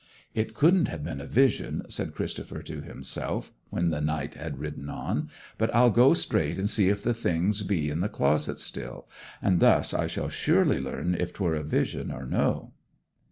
'It couldn't have been a vision,' said Christopher to himself when the knight had ridden on. 'But I'll go straight and see if the things be in the closet still; and thus I shall surely learn if 'twere a vision or no.'